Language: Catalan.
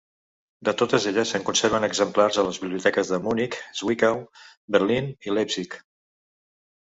De totes elles se'n conserven exemplars a les biblioteques de Munic, Zwickau, Berlín i Leipzig.